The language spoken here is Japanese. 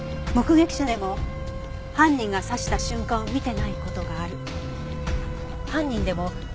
犯人でも自分が刺した瞬間を見てない事がある。